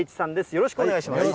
よろしくお願いします。